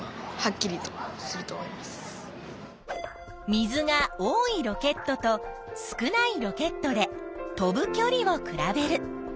水が多いロケットと少ないロケットで飛ぶきょりを比べる。